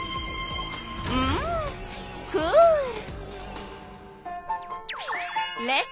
うんクール！